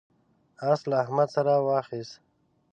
اس له احمده سر واخيست.